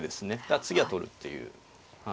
だから次は取るっていう。